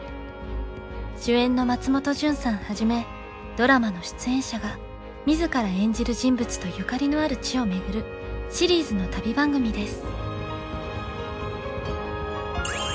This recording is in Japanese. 主演の松本潤さんはじめドラマの出演者が自ら演じる人物とゆかりのある地を巡るシリーズの旅番組です。